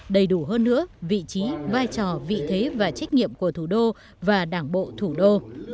đầy đủ hơn nữa vị trí vai trò vị thế và trách nhiệm của thủ đô và đảng bộ thủ đô